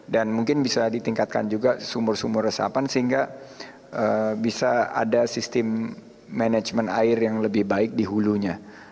dan mungkin bisa ditingkatkan juga sumur sumur resapan sehingga bisa ada sistem manajemen air yang lebih baik di hulunya